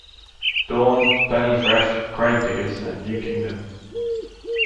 Dawn, Doug E. Fresh, Gravediggaz, and New Kingdom.